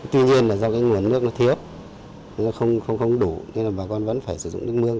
tuy nhiên là do cái nguồn nước nó thiếu nó không đủ nên là bà con vẫn phải sử dụng nước mương